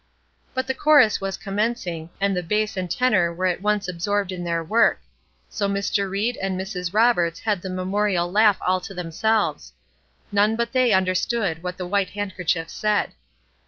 But the chorus was commencing, and the bass and tenor were at once absorbed in their work; so Mr. Ried and Mrs. Roberts had the memorial laugh all to themselves. None but they understood what the white handkerchief said.